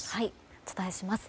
お伝えします。